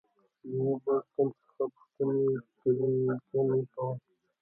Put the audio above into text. له یوه بل تن څخه پوښتنې ګروېږنې کول.